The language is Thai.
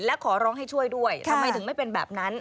และขอร้องให้ช่วยด้วยทำไมถึงไม่เป็นแบบนั้น